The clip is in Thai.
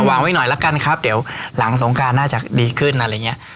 วางไว้หน่อยละกันครับเดี๋ยวหลังสงการน่าจะดีขึ้นอะไรอย่างเงี้ย